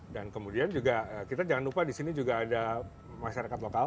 dan kemudian juga kita jangan lupa disini juga ada masyarakat lokal